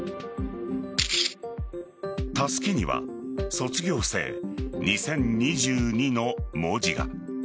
たすきには卒業生２０２２の文字が。